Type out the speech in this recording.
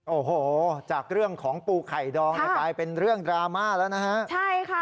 โอ้โหจากเรื่องของปูไข่ดองเนี่ยกลายเป็นเรื่องดราม่าแล้วนะฮะใช่ค่ะ